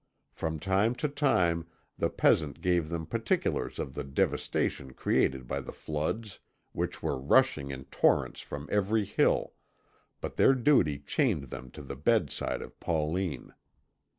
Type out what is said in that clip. From time to time the peasant gave them particulars of the devastation created by the floods, which were rushing in torrents from every hill, but their duty chained them to the bedside of Pauline.